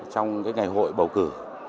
trong cái ngày hội bầu cử